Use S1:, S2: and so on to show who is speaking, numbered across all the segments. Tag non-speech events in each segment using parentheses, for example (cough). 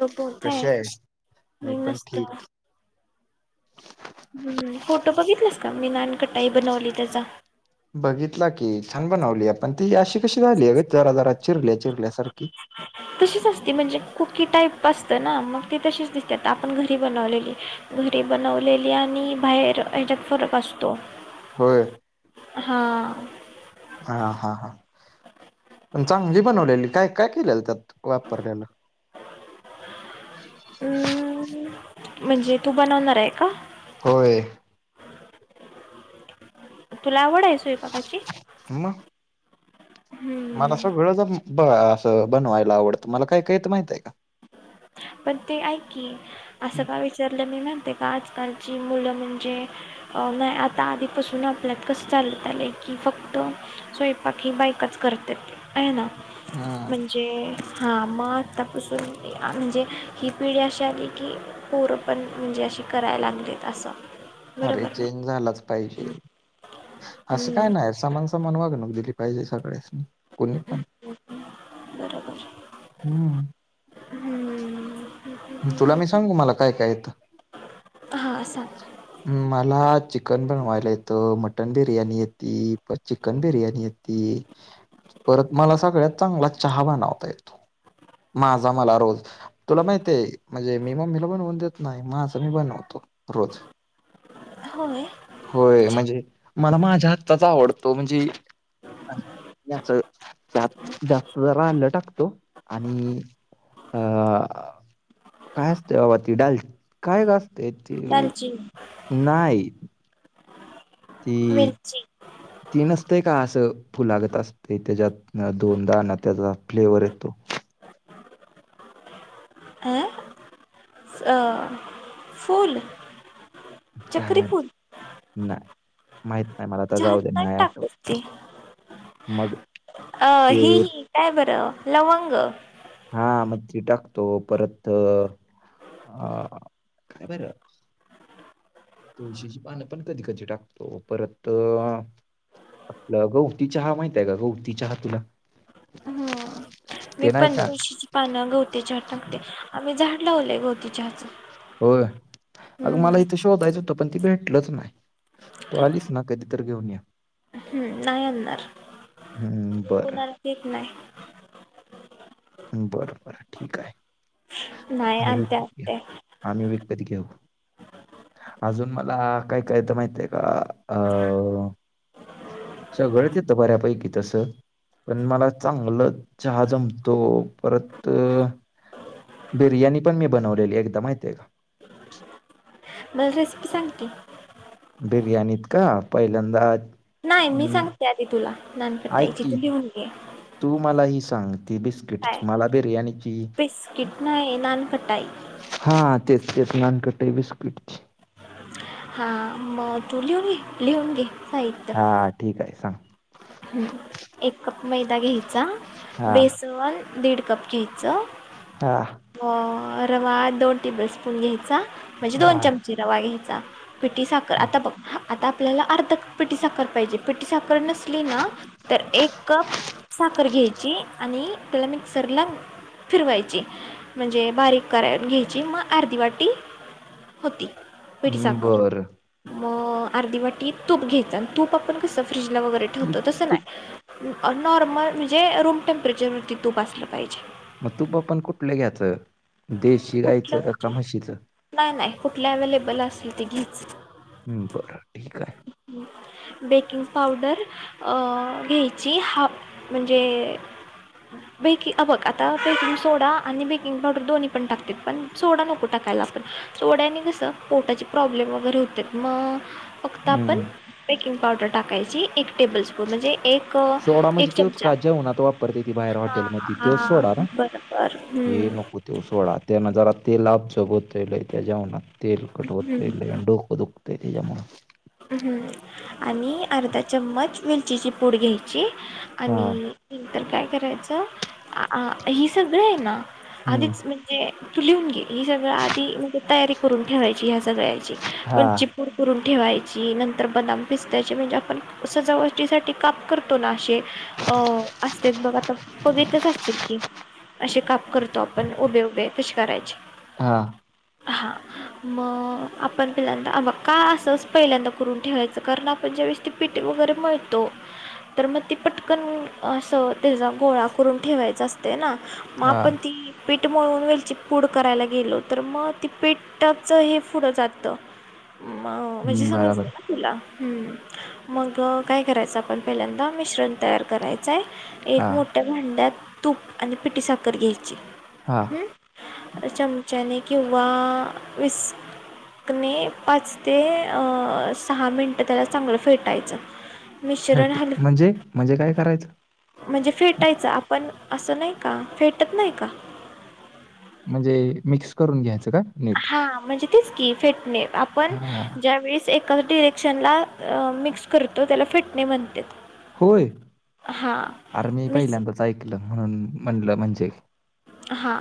S1: तो बतय
S2: कशी आहे मी
S1: म
S2: पण
S1: नसत.
S2: ठीक
S1: हम्म फोटो बघितलास का मी नानकटाई बनवली त्याचा.
S2: बघितला की छान बनवली आपण ती अशी कशी झाली अग जरा जरा चिरले
S1: तशीच असती म्हणजे कुकी टाईप असतं ना मग ती तशीच दिसते आपण घरी बनवलेली घरी बनवलेली आणि आणि बाहेर हच्यात फरक असतो
S2: होय
S1: हा
S2: हा हा हा पण चांगली बनवलेली काय काय केलेलं त्यात वापरल्याला
S1: अं, म्हणजे तू बनवणार आहे का
S2: होय
S1: तुला आवड आहे स्वयंपाकाची
S2: मग मला
S1: हम्म
S2: सगळं ज असं बनवायला आवडतं मला काय काही तर माहित आहे का
S1: पण ते ऐ कि असं का विचारलं मी म प्र तेका आजकालची मुलं म्हणजे नाही आता आधीपासून आपल्यात कसं चालत आलं की फक्त स्वयंपाक ही बाईकच करते आहे ना
S2: हम्म
S1: म्हणजे हा मग आता पुस्तक म्हणजे ही पिढी अशी आली की पोरंपण म्हणजे अशी करायला लागलेत असं
S2: अरे
S1: बरोबर ना
S2: चेंज झालाच पाहिजे असं काय
S1: हम्म,
S2: नाही सज माणवाग न दिली पाहिजे सगळ्यांनी कोणी पण
S1: बरोबर
S2: हम्
S1: हम्म
S2: तुला मी सांगू मला काय काय येतं
S1: हां सांग
S2: मला चिकन बनवायला येतं मटन बिर्याणी येत प चिकन बिर्याणी येत ती परत मला सगळ्यात चांगला चहा बनवता येतो माझा मला रोज तुला माहित आहेय म्हणजे मी मम्मीला बनवून देत नाही माझ मी बनवतो रज
S1: होय
S2: होय
S1: छान
S2: म्हणजे मला माझ्या हातचा आवडतो म्हणजे त्यात जास्त रालं टाकतो आणि अ काय असत बाबा ती डाल काय का अस ते
S1: दालचिनी
S2: नाहीई
S1: मिरची
S2: तीन असतेय का असं फुलागत असत त्याच्यात दोनदा ना त्याचा फ्लेवर येतो (unintelligible)
S1: ह फुल
S2: काय माहि नाही माहित नाही मला आता जाऊ
S1: चहात
S2: दे नाही
S1: टाक
S2: आठवत
S1: असते
S2: मग
S1: अ
S2: ते
S1: हिही काय बरं लवंग
S2: हा मग ती टाकतो परत ह कापर तुळशीची पानं पण कधी कधी टाकतो परत आपलं गवती चहा माहित आहे का गौवती चहा तुला
S1: हम्म मी
S2: ते नाही
S1: पं
S2: का?
S1: तळशीची पानं गवतीच्या टाकते आम्ही झाड लावलेय गवतीच्याहाच
S2: हो अग मला इथे शोधायचं होतं पण ती भेटलच नाही तू आलीच ना कधी इतर घेऊन या
S1: हम्म नाही आणणार
S2: हं, बरं,
S1: होणार एक नाही
S2: बर बर ठीक आहे.
S1: नाही
S2: आम्ही व
S1: आणते
S2: घ
S1: आणते
S2: आम्ही विकपत घेऊ. अजून मला काय काय तर माहित आहे का अं सगळंच येतं बऱ्यापैकी तस पण मला चांगलं चहा जमत तो परत बिर्याणी पण मी बनवलेली एकद माहित आहे का
S1: मला रेसिपी सांग की
S2: बिर्याणीत का पहिल्यांदा
S1: नाही मी
S2: अं,
S1: सांगते आधी तुला नंतर
S2: ऐक
S1: पाहिजे,
S2: की
S1: तू लिहून घे
S2: तू मला ही सांग ती
S1: काय
S2: बिस्किटची, मला बिर्याणीची
S1: बिस्किट नाही नानकटाई
S2: हा तेच तेच नानकटाई बिस्किटची
S1: हा म तू लिहून (unintelligible) लिहून घे
S2: हा ठीक आय सांग
S1: हम्म एक कप मैदा घ्यायचा,
S2: हा
S1: बेसन दीड कप घ्यायच,
S2: हा
S1: म रवा दोन टेबल स्पून घ्याय चा म्हणजे दोन
S2: हा
S1: चमचे रवा घ्यायचा, पिटी साखर आता बघ हा आता आपल्याला अर्ध क पिटी साखर पाहिजे, पिटी साखर नस् ली ना तर एक कप साखर घ्यायची आणि त्याला मिक्सरला फिरवायची म्हणजे बारीक करायन घ्यायची, मग अर्धी वाटी होती. पिठी
S2: हम्म,
S1: साखर,
S2: बरं
S1: म अर्धी वाटी तूप घ्यायचं, अन तूप आपण कस फ्रीजला व
S2: हम्म,
S1: ठेवतो तस
S2: तू
S1: नाही, अ नॉर्मल म्हणजे रूम टेम्परेचरवरती तूप असलं पाहिजे.
S2: मग तूप पण कुठलं घ्याचं? देशी
S1: कुठलं
S2: गायचं क का
S1: म्हणजे
S2: म्हशीचं?
S1: नाही नाही कुठल्या अवेलेबेल असेल ते घ्यायचं.
S2: हम्म बरं ठीक हाय.
S1: बेकिंग पावडर अ घ्यायची हा म्हणजे बेकि अ बघ आता बेकिंग सोडा आणि बेकिंग पावडर दोन्ही पण टाकत्यात, पण सोडा नको टाकायला (unintelligible) सोड्यानी कस पोटाचे प्रॉब्लेम वगैरे होत्यात म फक्त आपण
S2: हं.
S1: बेकिंग पावडर टाकायची एक टेबल स्पून म्हणजे एक अ,
S2: सोडा म्हजे
S1: एक
S2: त्योच
S1: चमचा
S2: का जेवणात वापरत्याती बाहेर
S1: हां
S2: हॉटेलमध्ये त्योच
S1: हां
S2: सोडा ना?
S1: बरं बरं
S2: ये
S1: हं,
S2: नको त्यो सोडा त्यान जरा ते लाब (unintelligible) होतय लय त्या जेवणात तेलकट होतय
S1: हं.
S2: लई आणि डोकं दुखतय त्याज्यामुळ
S1: हम्म. आणि अर्धा चम्मच वेलचीची पूड घ्यायची
S2: हां.
S1: आणि (unintelligible) तर काय करायचं आ ही सगळं हाय ना
S2: हं.
S1: आधीच म्हजे तू लिहून घे, ही सगळं आधी म्हजे तयारी करून ठेवायची ह्या सगळ्याची,
S2: हां.
S1: वेलचिपूड करून ठेवायची, नंतर बदाम पिस्तायची म्हणजे आपण सजावटीसाठी काप करतो ना अशे अ असत्यात बघ आता, बघितलच असशील की अशे काप करतो आपण उभे उभे तशे करायचे.
S2: हा.
S1: हा म आपण पिल्यांदा अ बघ का असंच पहिल्यांदा करून ठेवायचं कारण आपण ज्या वेळेस ती पिठ वगैरे मळतो, तर म ते पटकन असं त्येजा गोळा करून ठेवायचा असतय ना, मग
S2: हां.
S1: आपण ती पीठ मळून वेलची पूड करायला गेलो, तर म ती पीठाच हे पुढ जातं मग म्हणजे
S2: हं,
S1: समज (unintelligible)
S2: बरोबर.
S1: ना तुला? हम्म मग काय करायचं आपण पहिल्यांदा मिश्रण तयार कराय चाय एक
S2: हां.
S1: मोठ्या भांड्यात तूप आणि पिटी साखर घ्यायची.
S2: हां.
S1: हम्म. अ चमच्याने किंवा विस्कने पाच ते अ सहा मिनटं त्याला चांगलं फेटायचं. मिश्रण
S2: फेट
S1: हल
S2: म्हणजे म्हणजे काय करायचं?
S1: म्हणजे फेटायचं आपण असं नाही का, फेटत नाही का
S2: म्हणजे मिक्स करून घ्यायचं का नीट?
S1: हां म्हणजे तेच की फेटणे आपण
S2: हां.
S1: ज्या वेळीस एक (unintelligible) डिरेक्शनला अ मिक्स करतो त्याला फेटणे म्हणत्यात.
S2: होय, आर मी
S1: मिक्स
S2: पहिल्यांदाच ऐकलं म्हणून म्हणलं म्हणजे
S1: हा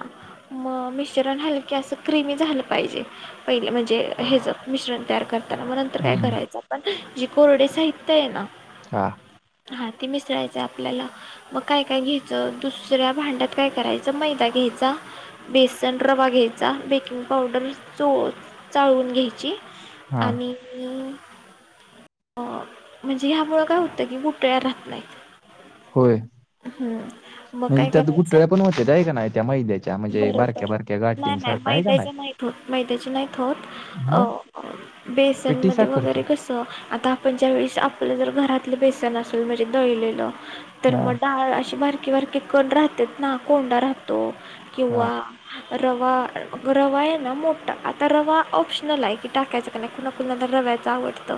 S1: म मिश्रण हालके असं क्रीमी झालं पाहिजे पयल म्हणजे हे च मिश्रण तयार करताना, मग नंतर काय
S2: हं.
S1: करायचं आपण जी कोरडे साहित्य आहे ना
S2: हा.
S1: हा ते मिसळायचं आपल्याला मग काय काय घ्यायचं दुसऱ्या भांड्यात काय करायचं. मैदा घ्यायचा. बेसन रवा घ्यायचा बेकिंग पावडर चो चाळून घ्यायची.
S2: हां.
S1: आणि. अ म्हणजे ह्यामुळं काय होतं की गुटळ्या राहत नाहीतं.
S2: होय.
S1: मग
S2: म्हणजे
S1: काय
S2: त्यात
S1: करायचं
S2: गुठळ्या पण होत्यात आहे का ना त्या मैद्याच्या म्हणजे
S1: बरोबर
S2: बारक्या बारक्या
S1: नाही
S2: गाठीं सारख.
S1: नाही मैद्याचे नाहीत होत मैद्याचे नाहीत होत
S2: मग
S1: बेसन
S2: पिठी
S1: मध्ये वगैरे
S2: साखरच्या
S1: कसं. आता आपण ज्या वेळेस आपलं जर घरातलं बेसन असेल म्हणजे दळलेलं तर
S2: हा
S1: मग डाळ अशी बारी- की वरती कन राहतात ना कोंडा राहतो
S2: हा
S1: किंवा, रवा रवा आहे ना मोठा आता रवा ऑप्शनल आहे की टाकायच का नाही कुणा कुणाला रवा. आवडत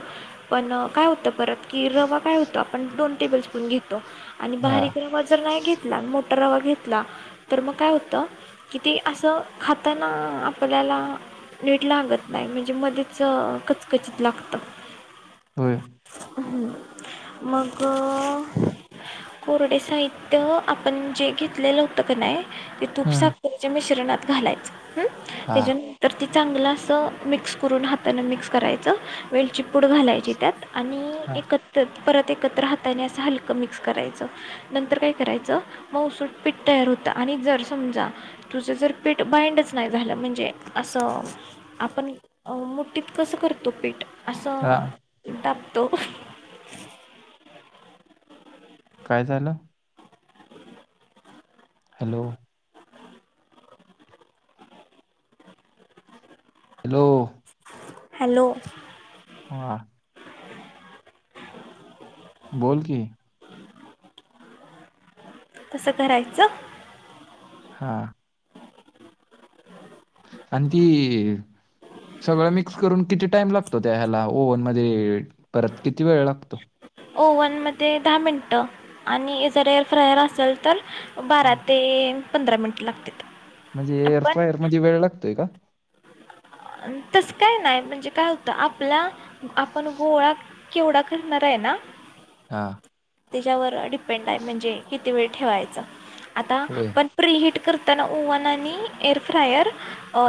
S1: पण काय होतं परत की रवा काय होतो आपण दोन टेबल स्पून घेत. आणि
S2: हा
S1: बारीक रवा जरं नाही घेतला मोठा रवा घेतला. तर मग काय होतं कि ते असं खाताना आपल्याला- नीट लागत नाही म्हणजे मध्येच कचकचीत लागतं.
S2: होयं.
S1: मगं. कोरडे साहित्य आपण जे घेतलेलं होतं का नाही. ते तूप
S2: हम्म
S1: साखरेच्या मिश्रणात घालायच
S2: हा
S1: त्याच्यानंतर - चांगलं असं मिक्स करून हाताानं मिक्स करायचं वेलचीपूड घालायची त्यात, आणि
S2: हा
S1: एकत्र, परत एकत्र हाताने असं हलकं मिक्स करायचं नंतर काय करायचं मग उसट पीठ तयार होतं. आणि जर समजा तुझं जर पीठ बाइंडच नाही झालं म्हणजे असं. आपण मुठीत कसं करतो पीठ. असं
S2: हा
S1: दाबतो.
S2: काय झालं. हॅलो. हॅलो.
S1: हॅलो.
S2: हा. बोल की.
S1: तसं करायचं.
S2: हा. आणि ती ई सगळं मिक्स करून किती टाइम लागतो त्या ह्याला ओव्हन मध्ये परत किती वेळ लागतो
S1: ओव्हन मध्ये दहा मिनटं आणि जर फ्रायर असेल तर बारा
S2: हं.
S1: ते पंधरा मिनिट लागतयात
S2: म्हणजे एअरफायर मध्ये वेळ लागतोय का?
S1: अ तस काय नाही म्हणजे काय होतं आपला आपण गोळा केवढा करणार आहे ना
S2: हा
S1: त्याच्यावर डिपेंड आहे म्हणजे किती वेळ ठेवायचं आता
S2: होय
S1: पण प्रिहिट करताना ओवन आणि एअरफायर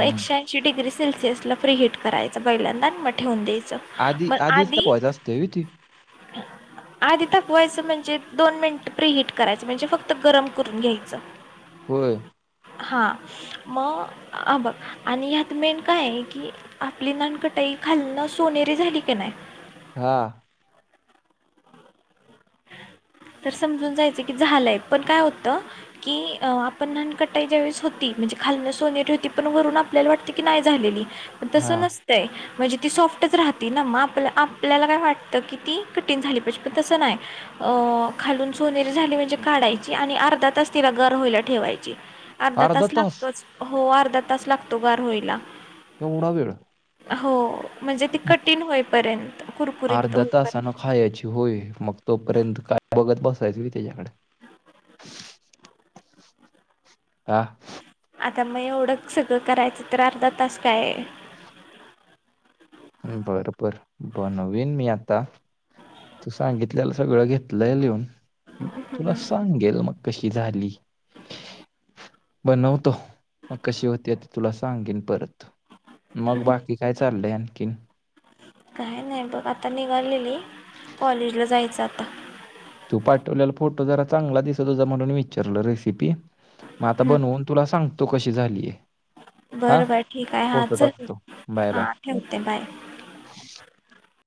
S2: हम्म.
S1: ऐशी डिग्रीसै सेल्सिअस ला फ्री हट करायं पैल्यांदा आणि मग ठेवून द्यायंच
S2: आधी
S1: मग
S2: आधीच
S1: आधी
S2: तपायचं असतंय व्हय ती
S1: (unintelligible) आधी ताकवायचं म्हणजे दोन मिनिट प्रि हट करायचं म्हणजे फक्त गरम करून घ्यायचं
S2: होय
S1: हा मग ह बघ आणि यात मेन काय कि आपली नानकटाई खालणं सोनेरी झाली की नाही
S2: हा (inaudible)
S1: तर समजून जायचं की झालंय पण काय होतं की आपण नान कटाई ज्या वेळेस होती म्हणजे खालन सोनेरी होती पण वरून आपल्याला वाटते की नाही झालेली पण तस
S2: हा
S1: नसतंय म्हणजे ती सॉफ्टच राहती ना मग आपल्या आपल्याला काय वाटतं की ती कठीण झाली पाहिजे पण तसं नाही अ खालून सोनेरी झाली म्हणजे काढायची आणि अर्धा तास तिला गार होईला ठेवायची अर्धा तास लागतोच हो अर्धा तास लागतो गार होईला
S2: केवडाव
S1: हो म्हणजे ती कठीण होईपर्यंत कुरकुरीत
S2: अर्धा
S1: होईपर्यंत.
S2: तासान खायची होय मग तोपर्यंत काय बघत बसायचं मी त्याच्याकडे हा
S1: आता मग एवढं सगळं करायचं तर अर्धा तास काय
S2: बरोबर बनवीन मी आता तू सांगितलेला सगळं घेतलंय लिहून तुला सांगेल मग कशी झाली बनवतो मग कशी होती ती तुला सांगेन परत मग बाकी काय चाललंय आणखीन
S1: काय नाही बघ आता निघाललेली कॉलेजला जायचं आता
S2: तू पाठवल्याला फोटो जरा चांगला दिसत होता म्हणून विचारलं रेसिपी मग आता
S1: हं,
S2: बनवून तुला सांगतो कशी झालीय
S1: बरं बर ठीक आहे हा चल
S2: टाकतो
S1: (unintelligible)
S2: बाय
S1: हा
S2: बाय
S1: ठेवते बाय
S2: (inaudible)